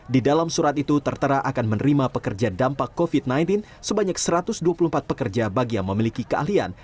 di dalam surat itu tertera akan menerima pekerja dampak covid sembilan belas sebanyak satu ratus dua puluh empat pekerja bagi yang memiliki keahlian